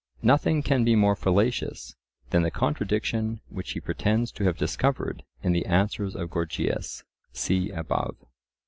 Nothing can be more fallacious than the contradiction which he pretends to have discovered in the answers of Gorgias (see above).